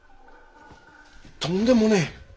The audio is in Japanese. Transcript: とんでもねえ！